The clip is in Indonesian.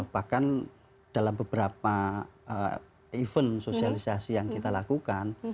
bahkan dalam beberapa event sosialisasi yang kita lakukan